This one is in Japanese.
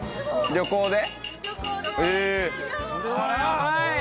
旅行で。